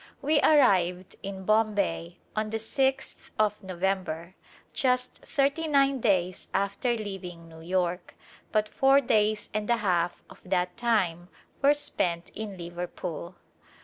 We arrived in Bombay on the 6th of November, just thirty nine days after leaving New York, but four days and a half of that time were spent in Liverpool.